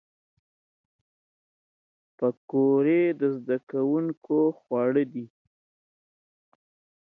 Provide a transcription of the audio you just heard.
پکورې د زدهکوونکو خواړه دي